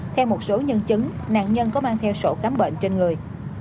theo một số nhân chứng nạn nhân có mang theo sổ khám bệnh trên người